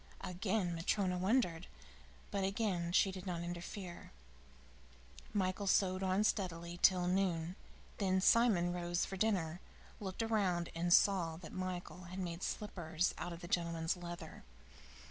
Again Matryona wondered, but again she did not interfere. Michael sewed on steadily till noon. Then Simon rose for dinner, looked around, and saw that Michael had made slippers out of the gentleman's leather.